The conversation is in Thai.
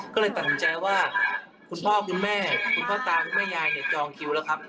ก็เลยตัดสินใจว่าคุณพ่อคุณแม่คุณพ่อตาคุณแม่ยายเนี่ยจองคิวแล้วครับ